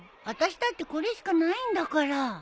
あたしだってこれしかないんだから。